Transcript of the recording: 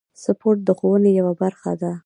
سپورت د ښوونې یوه برخه ده.